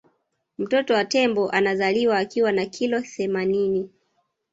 mtoto wa tembo anazaliwa akiwa na kilo themanini